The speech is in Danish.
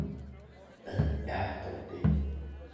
»Hvad er dog det!